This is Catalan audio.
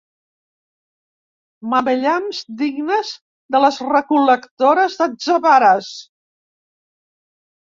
Mamellams dignes de les recol·lectores d'atzavares.